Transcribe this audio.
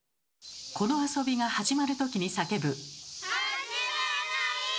この遊びが始まるときに叫ぶ。